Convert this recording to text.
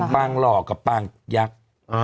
ปางหล่อกับปางยักษ์